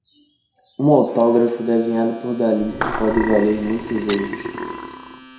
Um autógrafo desenhado por Dalí pode valer muitos euros.